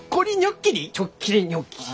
ちょっきりニョッキリ。